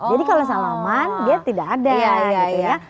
jadi kalau salaman dia tidak ada